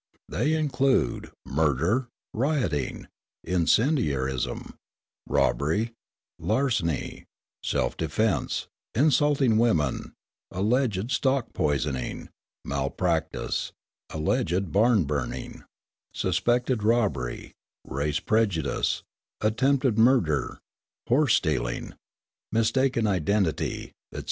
They include "murder," "rioting," "incendiarism," "robbery," "larceny," "self defence," "insulting women," "alleged stock poisoning," "malpractice," "alleged barn burning," "suspected robbery," "race prejudice," "attempted murder," "horse stealing," "mistaken identity," etc.